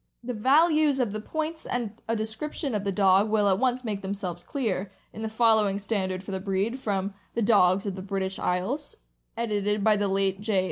325 The values of the points and a description of the dog will at once make themselves clear, in the following stand ard for the breed, from " The Dogs of the British Isles," edited by the late J.